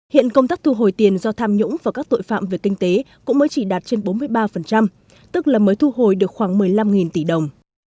hiện công tác thu hồi tiền do tham nhũng và các tội phạm về kinh tế cũng mới chỉ đạt trên bốn mươi ba tức là mới thu hồi được khoảng một mươi của các cơ quan nhà nước